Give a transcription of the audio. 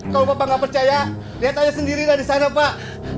kalau papa gak percaya lihat aja sendiri dari sana pak